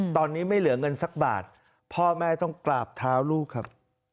ตอนนี้ไม่เหลือเงินสักบาทพ่อแม่ต้องกราบเท้าลูกครับ